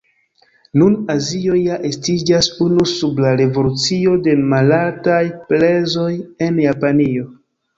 Nun Azio ja estiĝas unu sub la revolucio de malaltaj prezoj en Japanio.